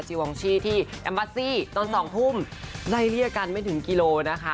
วองชี่ที่แอมบัสซี่ตอน๒ทุ่มไล่เลี่ยกันไม่ถึงกิโลนะคะ